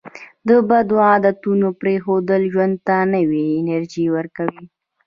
د بدو عادتونو پرېښودل ژوند ته نوې انرژي ورکوي.